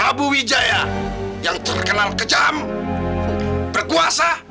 aminya gw ngerti dengan minha